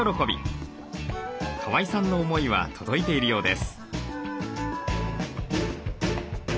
川井さんの思いは届いているようです。